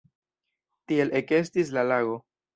Tiel ekestis la lago.